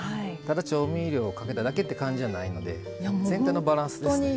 ただ調味料をかけただけって感じじゃないので全体のバランスですね。